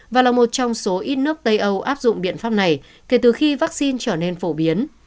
và là một trong số ít nước tây âu áp dụng biện pháp này kể từ khi vaccine trở nên phổ biến